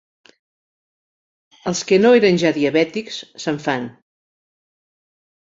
Els que no eren ja diabètics, se'n fan.